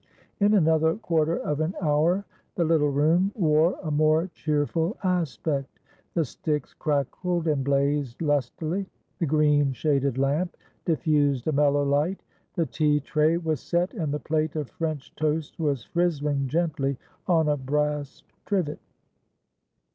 In another quarter of an hour the little room wore a more cheerful aspect. The sticks crackled and blazed lustily; the green shaded lamp diffused a mellow light. The tea tray was set and the plate of French toast was frizzling gently on a brass trivet.